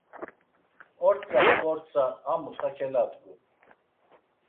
Ortza p̌ortza a mutxa keladgun.